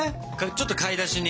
ちょっと買い出しに。